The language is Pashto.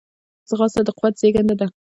ځغاسته د قوت زیږنده ده